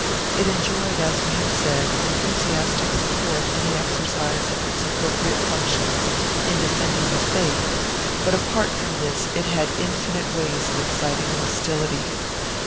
It enjoyed, as we have said, enthusiastic support in the exercise of its appropriate functions in defending the faith, but apart from this, it had infinite ways of exciting hostility.